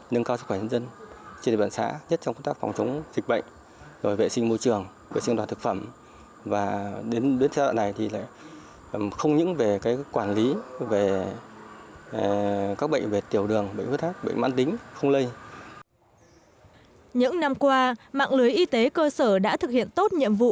những năm qua mạng lưới y tế cơ sở đã thực hiện tốt nhiệm vụ